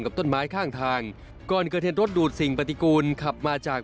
กับต้นไม้ข้างทางก่อนเกิดเหตุรถดูดสิ่งปฏิกูลขับมาจาก